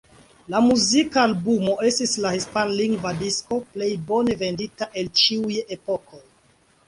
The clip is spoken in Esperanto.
La muzikalbumo estis la hispanlingva disko plej bone vendita el ĉiuj epokoj.